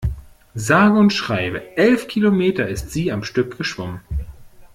Sage und schreibe elf Kilometer ist sie am Stück geschwommen.